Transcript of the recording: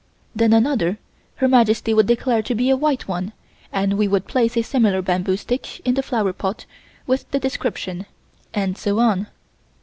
Then another, Her Majesty would declare to be a white one and we would place a similar bamboo stick in the flower pot, with the description, and so on.